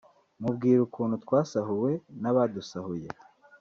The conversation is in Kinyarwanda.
mubwira ukuntu twasahuwe n’abadusahuye